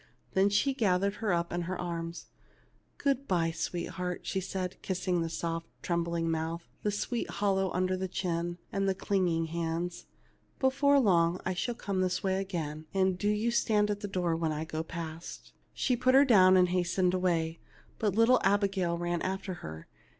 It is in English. Then she gathered her up in her arms. " Good bye, sweetheart," she said, kissing the soft trembling mouth, the sweet hollow under the chin, and the clinging hands. "Before long I shall come this way again, and do you stand in the door when I go past." She put her down and hastened away, but little Abigail ran after her.